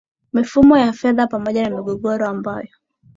mifumo ya fedha pamoja na migogoro ambayo